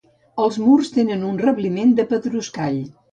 Els murs tenen un rebliment de pedruscall.